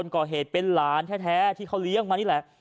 ก่อเหตุเป็นหลานแท้ที่เขาเลี้ยงมานี่แหละ